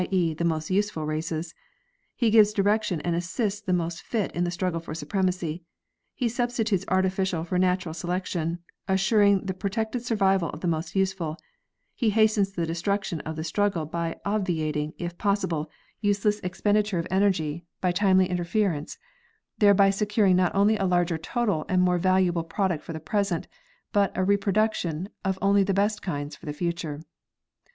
¢., the most useful races; he gives direction and assists the most fit in the struggle for supremacy ; he substitutes artificial for natural selection, assuring the pro tected survival of the most useful; he hastens the decision of the struggle by obviating, if possible, useless expenditure of German Method of Forest Management. 147 energy by timely interference, thereby securing not only a larger total and more valuable product for the present, but a repro duction of only the best kinds for the future.